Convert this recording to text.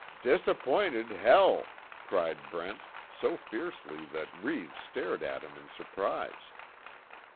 "Disappointed hell!" cried Brent, so fiercely that Reeves stared at him in surprise.